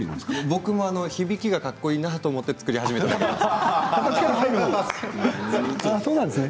僕も響きがかっこいいなと思って作り始めたんです。